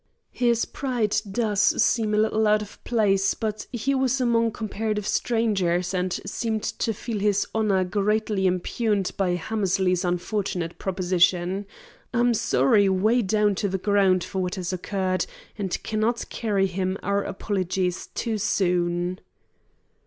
"His pride does seem a little out of place, but he was among comparative strangers, and seemed to feel his honour greatly impugned by Hammersley's unfortunate proposition. I'm sorry way down to the ground for what has occurred, and cannot carry him our apologies too soon."